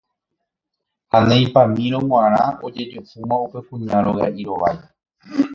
ha neipamírõ g̃uarã ojejuhúma upe kuña roga'i rovái